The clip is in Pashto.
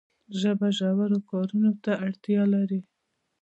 ژبه ژورو کارونو ته اړتیا لري.